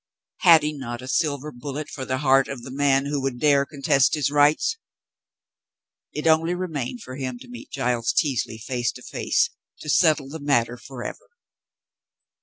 Had he not a silver bullet for the heart of the man who would dare contest his rights ? It only remained for him to meet Giles Teasley face to face to settle the matter forever.